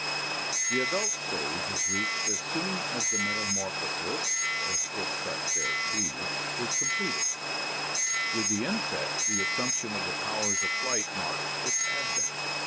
The adult stage is reached as soon as the metamorphosis, if such there be, is completed — with the insects the assumption of the powers of Sight marks its advent.